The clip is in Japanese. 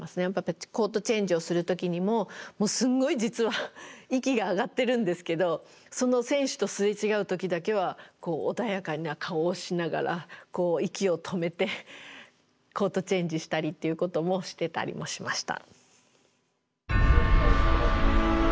コートチェンジをする時にもすごい実は息が上がってるんですけどその選手と擦れ違う時だけは穏やかな顔をしながらこう息を止めてコートチェンジしたりっていうこともしてたりもしました。